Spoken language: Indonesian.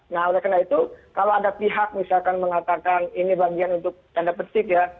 nah oleh karena itu kalau ada pihak misalkan mengatakan ini bagian untuk tanda petik ya